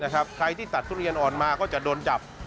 ใครที่ตัดทุเรียนอ่อนมาก็จะโดนจับ